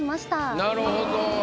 なるほど。